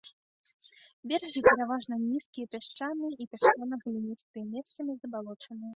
Берагі пераважна нізкія, пясчаныя і пясчана-гліністыя, месцамі забалочаныя.